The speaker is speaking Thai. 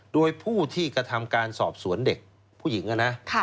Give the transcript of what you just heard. โดยผู้ที่กระทำการสอบสวนเด็กผู้หญิงนะ